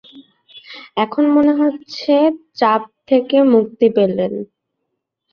এখন মনে হচ্ছে চাপ থেকে মুক্তি পেলেন।